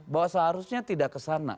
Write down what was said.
bahwa seharusnya tidak kesana